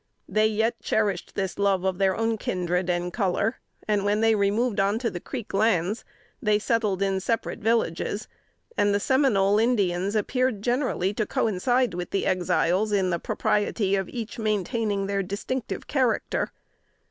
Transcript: They yet cherished this love of their own kindred and color; and when they removed on to the Creek lands, they settled in separate villages: and the Seminole Indians appeared generally to coincide with the Exiles in the propriety of each maintaining their distinctive character.